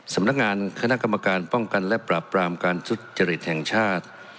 สำนักงานคณะกรรมการป้องกันและปรับปรามการทุจริตแห่งชาติ